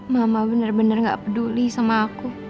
mama benar benar gak peduli sama aku